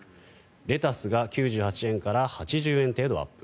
レタスが９８円から８０円程度アップ。